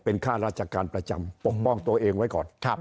เป็นค่าราชการประจำปกป้องตัวเองไว้ก่อน